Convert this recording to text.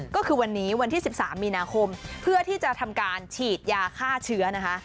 ก็คือวันนี้วันที่๑๓มีนาคมเพื่อที่จะทำการฉีดยาฆ่าเชื้อนะคะ